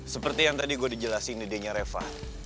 seperti yang tadi gue dijelasin di day nya reva